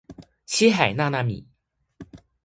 七海娜娜米